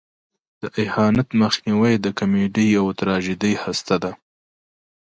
د اهانت مخنیوی د کمیډۍ او تراژیدۍ هسته ده.